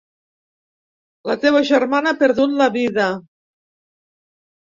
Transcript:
La teva germana ha perdut la vida.